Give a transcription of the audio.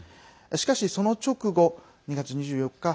しかし、その直後２月２４日